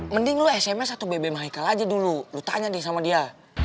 mending lu sms satu bebek mereka aja dulu lu tanya deh sama dia